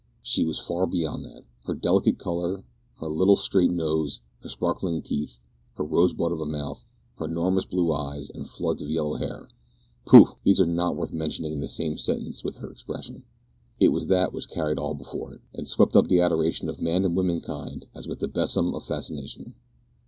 She was far beyond that! Her delicate colour, her little straight nose, her sparkling teeth, her rosebud of a mouth, her enormous blue eyes, and floods of yellow hair pooh! these are not worth mentioning in the same sentence with her expression. It was that which carried all before it, and swept up the adoration of man and woman kind as with the besom of fascination.